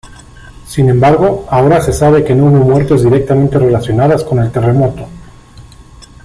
Sin embargo, ahora se sabe que no hubo muertes directamente relacionadas con el terremoto.